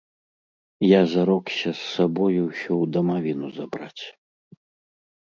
Я зарокся з сабою ўсё ў дамавіну забраць.